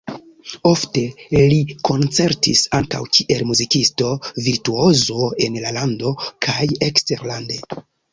Ofte li koncertis ankaŭ kiel muzikisto-virtuozo en la lando kaj eksterlande.